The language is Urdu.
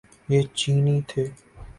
یہ چینی تھے۔